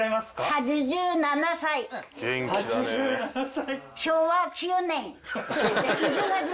８７歳！